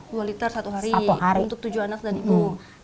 dua liter satu hari untuk tujuh anak dan ibu